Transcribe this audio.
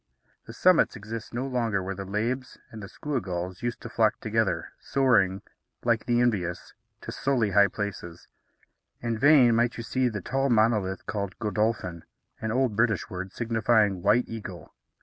The summits exist no longer where the labbes and the skua gulls used to flock together, soaring, like the envious, to sully high places. In vain might you seek the tall monolith called Godolphin, an old British word, signifying "white eagle."